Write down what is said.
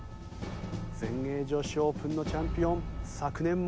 全英女子オープンのチャンピオン昨年も３位。